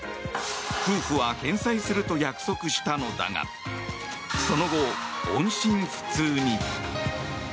夫婦は返済すると約束したのだがその後、音信不通に。